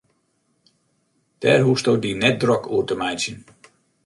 Dêr hoechsto dy net drok oer te meitsjen.